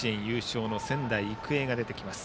去年夏の甲子園優勝の仙台育英が出てきます。